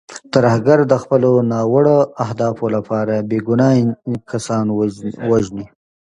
ترهګر د خپلو ناوړو اهدافو لپاره بې ګناه کسان وژني.